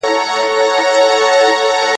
نور پردی ورڅخه وس له ژونده موړ دی ,